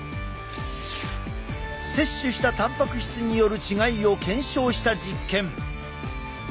摂取したたんぱく質による違いを検証した実験。